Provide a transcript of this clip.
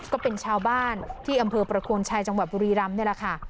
ก็เป็นชาวบ้านที่อำเภอประโคนชัยจังหวัดบุรีรำนี่แหละค่ะ